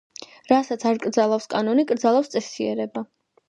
რასაც არ კრძალავს კანონი, კრძალავს წესიერება.